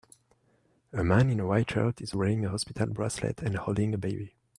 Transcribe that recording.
A man in a white shirt is wearing a hospital bracelet and holding a baby